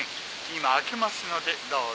今開けますのでどうぞ。